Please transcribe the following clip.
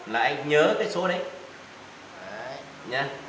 là anh nhớ cái số đấy